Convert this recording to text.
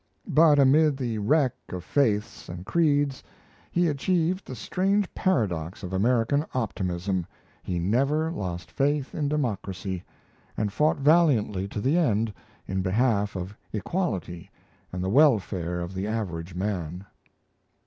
But amid the wreck of faiths and creeds, he achieved the strange paradox of American optimism: he never lost faith in democracy, and fought valiantly to the end in behalf of equality and the welfare of the average man.